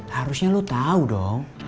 harusnya lo tau dong